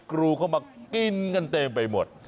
กรูเข้ามากินกันเต็มไปหมด